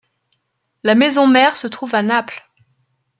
La maison-mère se trouve à Naples.